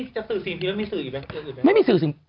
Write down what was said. จะสื่อสิ่งพิมพ์หรือมีสื่ออีกไหม